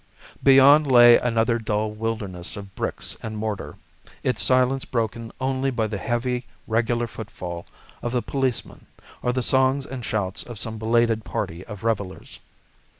Beyond lay another dull wilderness of bricks and mortar, its silence broken only by the heavy, regular footfall of the policeman, or the songs and shouts of some belated party of revellers.